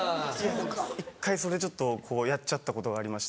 一回それちょっとやっちゃったことがありまして。